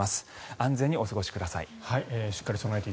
安全にお過ごしください。